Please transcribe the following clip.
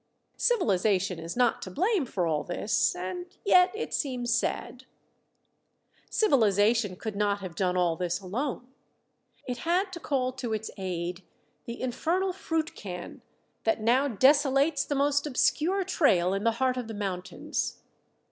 Civilization is not to blame for all this, and yet it seems sad. Civilization could not have done all this alone. It had to call to its aid the infernal fruit can that now desolates the most obscure trail in the heart of the mountains.